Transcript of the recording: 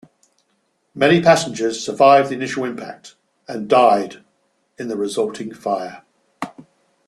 Many passengers survived the initial impact and died in the resulting fire.